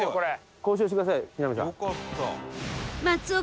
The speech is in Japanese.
交渉してください木南さん。